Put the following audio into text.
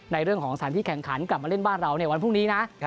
ในเรื่องของสถานที่แข่งขันกลับมาเล่นบ้านเราในวันพรุ่งนี้นะ